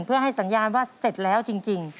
เพื่อให้สัญญาณว่าเสร็จแล้วจริง